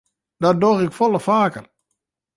Dat doch ik folle faker.